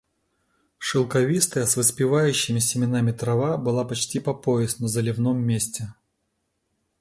Шелковистая с выспевающими семенами трава была почти по пояс на заливном месте.